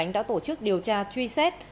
đã tổ chức điều tra truy xét